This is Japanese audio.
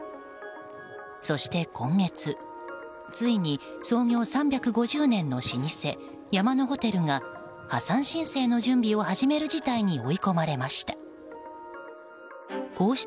そして今月、ついに創業３５０年の老舗山のホテルが破産申請の準備を始める事態に追い込まれました。